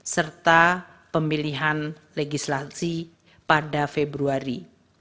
serta pemilihan legislasi pada februari